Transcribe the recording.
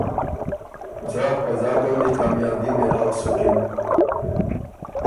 ځاک په ځاک ال دی کامیابی مېلاؤ سُکِن